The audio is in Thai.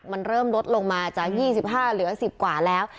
มันเริ่มลดลงมาจาก๒๕เหลือ๑๐กว่าแล้ว